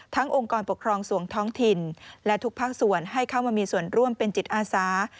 องค์กรปกครองส่วนท้องถิ่นและทุกภาคส่วนให้เข้ามามีส่วนร่วมเป็นจิตอาสา